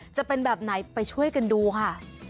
จะเป็นแบบไหนไปช่วยกันดูค่ะ